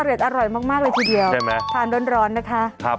อร่อยมากเลยทีเดียวทานร้อนนะคะ